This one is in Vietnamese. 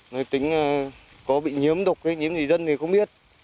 nói tính có bị nhiễm độc hay nhiễm gì dân thì không biết